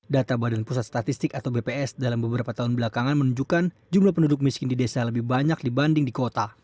data badan pusat statistik atau bps dalam beberapa tahun belakangan menunjukkan jumlah penduduk miskin di desa lebih banyak dibanding di kota